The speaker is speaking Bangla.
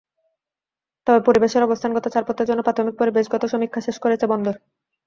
তবে পরিবেশের অবস্থানগত ছাড়পত্রের জন্য প্রাথমিক পরিবেশগত সমীক্ষা শেষ করেছে বন্দর।